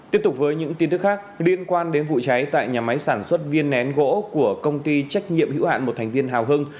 tiếp tục với những tin tức khác liên quan đến vụ cháy tại nhà máy sản xuất viên nén gỗ của công ty trách nhiệm hữu hạn một thành viên hào hưng